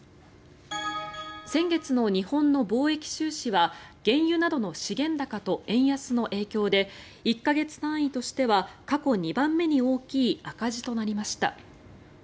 先月の日本の貿易収支は原油などの資源高と円安の影響で１か月単位としては過去２番目に大きい赤字となりました。